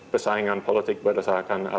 persaingan politik berdasarkan